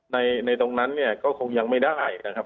ในตรงนั้นเนี่ยก็คงยังไม่ได้นะครับ